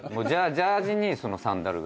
ジャージにそのサンダルが。